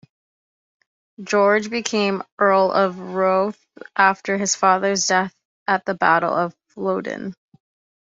George became Earl of Rothes after his father's death at the Battle of Flodden.